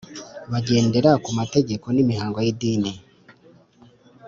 bagendera ku mategeko n’ imihango y’idini